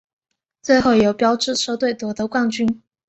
最后由标致车队夺得冠军。